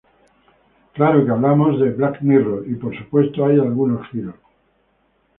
Claro que hablamos de "Black Mirror" y, por supuesto, hay algunos giros.